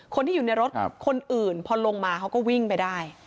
คนที่อยู่ในรถคนอื่นพอลงมาเขาก็วิ่งไปได้